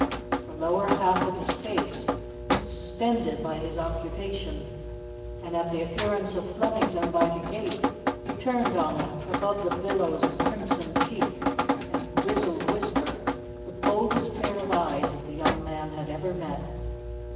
The lower half of his face was distended by his occupation, and at the appearance of Flemington by the gate, he turned on him, above the billows of crimson cheek and grizzled whisker, the boldest pair of eyes that the young man had ever met.